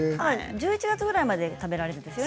１１月くらいまで食べられるんですね。